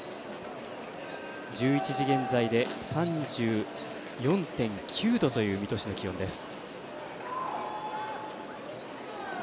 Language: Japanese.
１１時現在で３４．９度という水戸市の気温です。